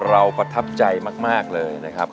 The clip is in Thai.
ที่เราประทับใจมากเลยนะครับ